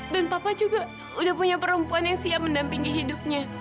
dan papa juga udah punya perempuan yang siap mendampingi hidupnya